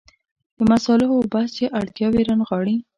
د مصالحو بحث چې اړتیاوې رانغاړي.